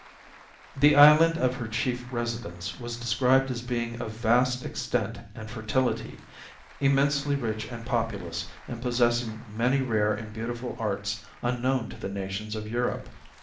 The island of her chief residence was described as being of vast extent and fertility, immensely rich and populous, and possessing many rare and beautiful arts unknown to the nations of Europe.